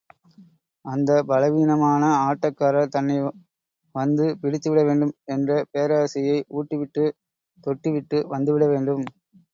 அந்த பலவீனமான ஆட்டக்காரர் தன்னை வந்து பிடித்துவிட வேண்டும் என்ற பேராசையை ஊட்டிவிட்டு, தொட்டுவிட்டு வந்துவிட வேண்டும்.